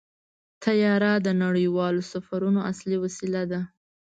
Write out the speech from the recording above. طیاره د نړیوالو سفرونو اصلي وسیله ده.